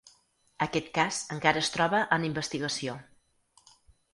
Aquest cas encara es troba en investigació.